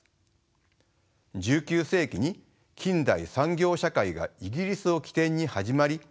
１９世紀に近代産業社会がイギリスを起点に始まり